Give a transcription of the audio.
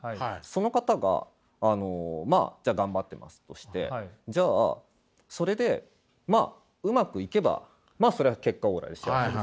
その方があのまあじゃあ頑張ってますとしてじゃあそれでまあうまくいけばまあそれは結果オーライで幸せです。